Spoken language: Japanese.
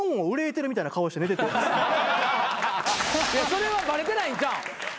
それはバレてないんちゃう？